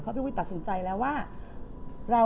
เพราะพี่ปุ๊ยตัดสินใจแล้วว่า